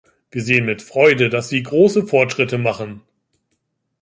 Wir sehen mit Freude, dass sie große Fortschritte machen.